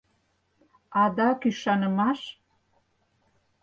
— Адак ӱшанымаш?